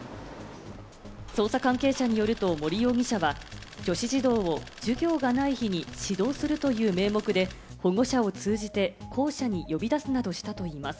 捜査関係者によると森容疑者は、女子児童を授業がない日に指導するという名目で保護者を通じて校舎に呼び出すなどしたといいます。